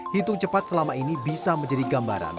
hitung cepat selama ini bisa menjadi gambaran